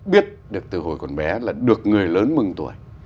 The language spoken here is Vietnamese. biết được từ hồi còn bé là được người lớn mừng tuổi